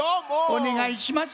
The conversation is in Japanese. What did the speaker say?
おねがいします。